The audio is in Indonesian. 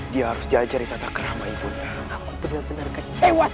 dia harus diajari tata keramai ibunda